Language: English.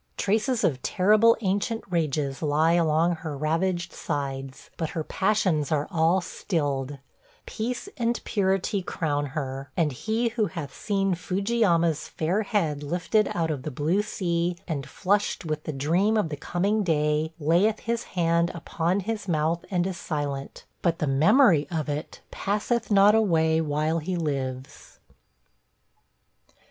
Traces of terrible ancient rages lie along her ravaged sides; but her passions are all stilled, peace and purity crown her; and he who hath seen Fuji yama's fair head lifted out of the blue sea and flushed with the dream of the coming day layeth his hand upon his mouth and is silent, but the memory of it passeth not away while he lives.